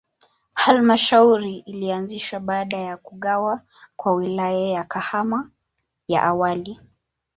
Halmashauri ilianzishwa baada ya kugawa kwa Wilaya ya Kahama ya awali.